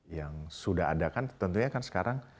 yang sudah ada kan tentunya kan sekarang